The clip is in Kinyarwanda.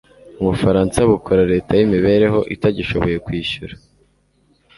Ubufaransa bukora leta yimibereho itagishoboye kwishyura